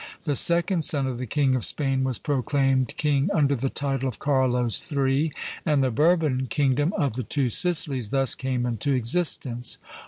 The second son of the King of Spain was proclaimed king under the title of Carlos III., and the Bourbon Kingdom of the Two Sicilies thus came into existence.